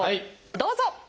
どうぞ！